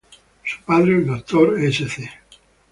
Su padre, el "Dr.sc.